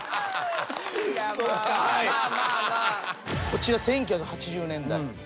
こちら１９８０年代。